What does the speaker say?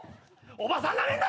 おばさんなめるな！